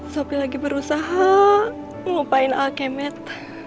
sopi lagi berusaha ngupain alkemet